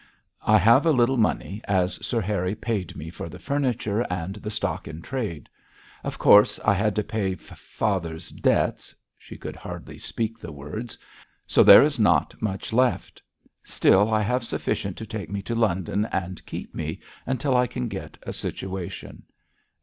I have a little money, as Sir Harry paid me for the furniture and the stock in trade. Of course I had to pay f father's debts' she could hardly speak the words 'so there is not much left. Still, I have sufficient to take me to London and keep me until I can get a situation.'